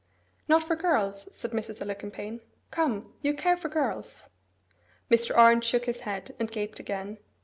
'Not for girls?' said Mrs. Alicumpaine. 'Come! you care for girls?' Mr. Orange shook his head, and gaped again.